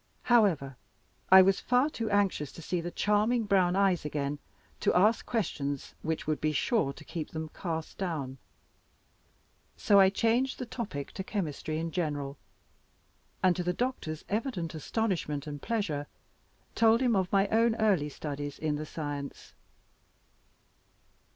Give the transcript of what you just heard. However, I was far too anxious to see the charming brown eyes again to ask questions which would be sure to keep them cast down. So I changed the topic to chemistry in general; and, to the doctor's evident astonishment and pleasure, told him of my own early studies in the science.